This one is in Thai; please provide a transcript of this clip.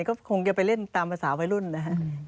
ก็คงจะไปเล่นตามภาษาวัยรุ่นนะครับ